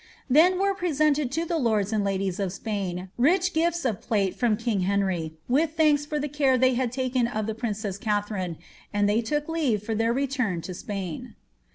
Then were pre sented to the lords and ladies of Spain rich giAs of plate from king Henry, with thanks for the care they had taken of the princess Katha> rine, and they took leave for their return to Spain."